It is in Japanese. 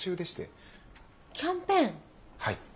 はい。